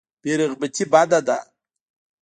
بې رغبتي بد دی.